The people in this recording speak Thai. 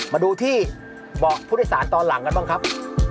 มาดูที่เบาะผู้โดยสารตอนหลังกันบ้างครับ